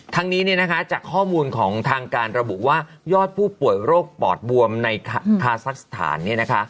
ทั้งนี้จากข้อมูลของทางการระบุว่ายอดผู้ป่วยโรคปอดบวมในคาซักสถาน